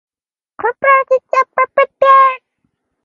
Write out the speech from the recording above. Kopple is a niece of the American playwright Murray Burnett.